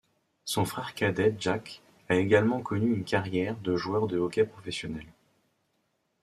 Son frère cadet, Jack, a également connu une carrière de joueur de hockey professionnel.